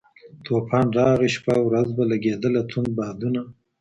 توپان راغی شپه او ورځ به لګېدله توند بادونه